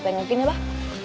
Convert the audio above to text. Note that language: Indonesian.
tengokin ya bang